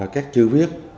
các chữ viết